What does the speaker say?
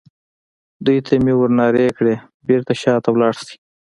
دوی ته مې ور نارې کړې: بېرته شا ته ولاړ شئ.